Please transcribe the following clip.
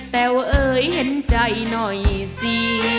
แต่ว่าเอ่ยเห็นใจหน่อยสิ